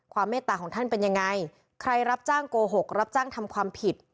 เมตตาของท่านเป็นยังไงใครรับจ้างโกหกรับจ้างทำความผิด